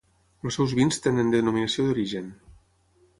Els seus vins tenen denominació d'origen.